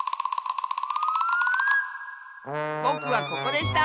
ぼくはここでした！